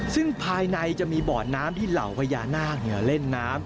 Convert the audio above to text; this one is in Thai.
ซึ่งภายในจะมีบ่อน้ำที่เหล่าพญานาคเล่นน้ำ